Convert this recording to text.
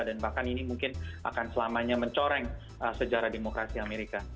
dan bahkan ini mungkin akan selamanya mencoreng sejarah demokrasi amerika